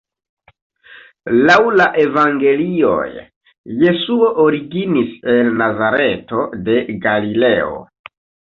Laŭ la evangelioj, Jesuo originis el Nazareto de Galileo.